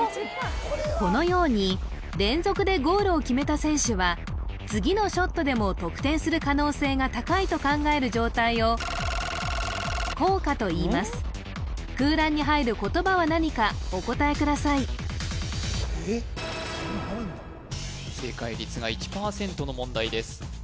このように連続でゴールを決めた選手は次のショットでも得点する可能性が高いと考える状態を効果といいます空欄に入る言葉は何かお答えください正解率が１％の問題です